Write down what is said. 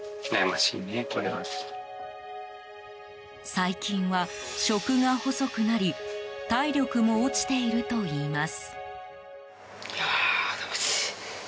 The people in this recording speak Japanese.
最近は、食が細くなり体力も落ちているといいます。